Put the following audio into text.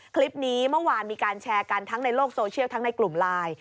คลิปนี้เมื่อวานมีการแชร์กันทั้งในโลกโซเชียลทั้งในกลุ่มไลน์